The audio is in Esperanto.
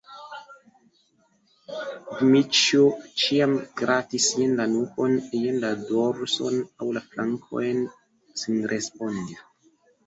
Dmiĉjo ĉiam gratis jen la nukon, jen la dorson aŭ la flankojn senrespondi.